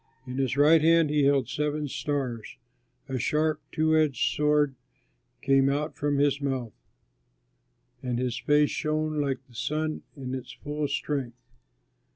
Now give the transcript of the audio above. In his right hand he held seven stars; a sharp, two edged sword came out from his mouth, and his face shone like the sun in its full strength.